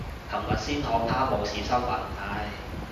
琴日先看他冇事新聞，唉。